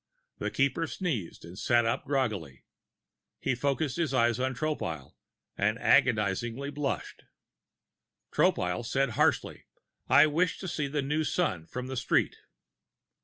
The Keeper sneezed and sat up groggily. He focused his eyes on Tropile and agonizedly blushed. Tropile said harshly: "I wish to see the new sun from the street."